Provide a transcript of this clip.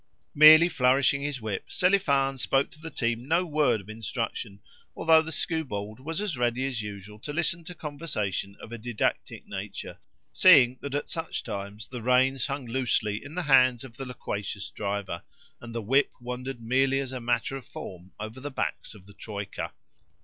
Merely flourishing his whip, Selifan spoke to the team no word of instruction, although the skewbald was as ready as usual to listen to conversation of a didactic nature, seeing that at such times the reins hung loosely in the hands of the loquacious driver, and the whip wandered merely as a matter of form over the backs of the troika.